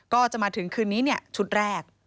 ก็จะมาถึงคืนนี้ชุดแรก